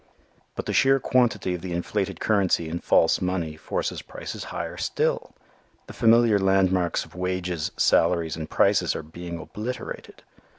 But the sheer quantity of the inflated currency and false money forces prices higher still. The familiar landmarks of wages, salaries and prices are being obliterated.